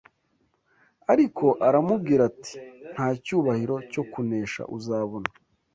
ariko aramubwira ati ‘nta cyubahiro cyo kunesha uzabona